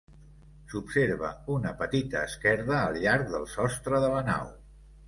S'observa una petita esquerda al llarg del sostre de la nau.